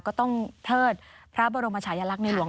ก็ต้องเทิดพระบรมชายลักษณ์ในหลวง